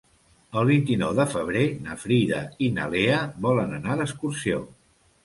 El vint-i-nou de febrer na Frida i na Lea volen anar d'excursió.